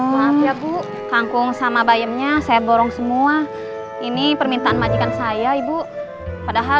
maaf ya bu kangkung sama bayemnya saya borong semua ini permintaan majikan saya ibu padahal